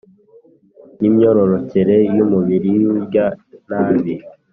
n imyororokere y umubiri y’urya nabi